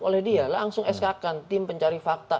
oleh dia langsung sk kan tim pencari fakta